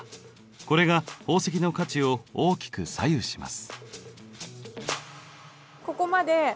これが宝石の価値を大きく左右します。